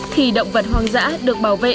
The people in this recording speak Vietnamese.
khi động vật hoang dã được bảo vệ